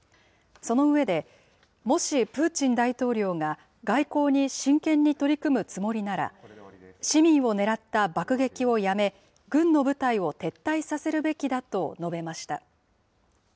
その上で、もしプーチン大統領が、外交に真剣に取り組むつもりなら、市民を狙った爆撃をやめ、軍の部隊を撤退させるべきだと述べました。